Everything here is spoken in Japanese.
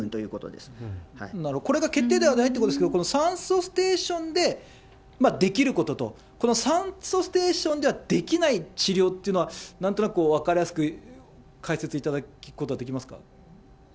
これが決定打ではないということですけれども、この酸素ステーションでできることと、この酸素ステーションではできない治療っていうのは、なんとなく分かりやすく解説いただくことはできますか。